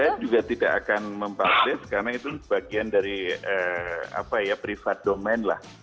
saya juga tidak akan mempatis karena itu sebagian dari apa ya private domain lah